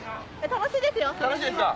楽しいですよ。